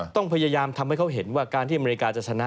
ต้องพยายามทำให้เขาเห็นว่าการที่อเมริกาจะชนะ